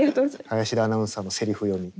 林田アナウンサーのセリフ読み。